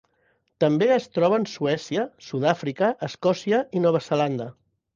També es troba en Suècia, Sud-àfrica, Escòcia i Nova Zelanda.